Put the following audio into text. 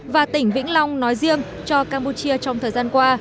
và tỉnh vĩnh long nói riêng cho campuchia trong thời gian qua